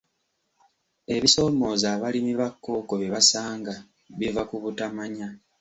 Ebisoomooza abalimi ba kkooko bye basanga biva ku butamanya.